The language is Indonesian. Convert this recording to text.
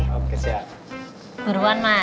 oke siap tunggu ya mbak ya